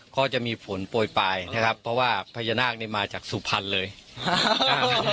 ก็จะมีฝนโปรยปลายนะครับเพราะว่าพญานาคนี่มาจากสุพรรณเลยอ่า